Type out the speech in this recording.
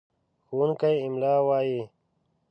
ښوونکی املا وايي.